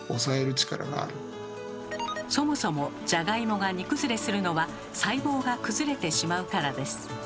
そもそもジャガイモが煮崩れするのは細胞が崩れてしまうからです。